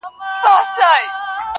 • د تورو شپو سپين څراغونه مړه ســول.